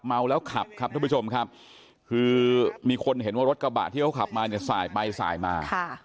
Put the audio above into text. เมาแล้วขับครับทุกผู้ชมครับคือมีคนเห็นว่ารถกระบะที่เขาขับมาเนี่ยสายไปสายมา